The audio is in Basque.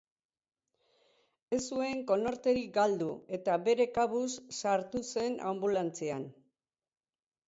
Ez zuen konorterik galdu eta bere kabuz sartu zen anbulantzian.